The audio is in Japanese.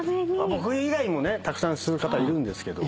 僕以外にもたくさん吸う方いるんですけど。